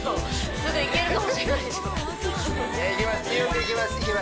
すぐ行けるかもしれないでしょいや